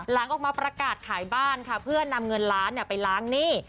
หลังออกมาประกาศขายบ้านค่ะเพื่อนำเงินล้านไปล้างหนี้